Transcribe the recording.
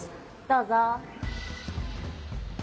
どうぞ。